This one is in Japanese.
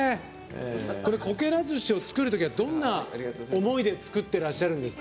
こけら寿司を作るときはどんな思いで作ってらっしゃるんですか？